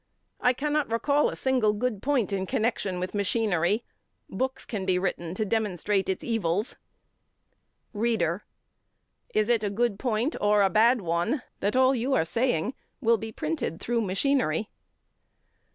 I cannot recall a single good point in connection with machinery. Books can be written to demonstrate its evils. READER: It is a good point or a bad one that all you are saying will be printed through machinery?